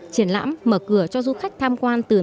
triển lãm mở cửa cho du khách tham quan từ